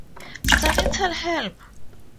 Sentinel Help!